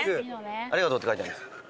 「ありがとう」って書いてありました。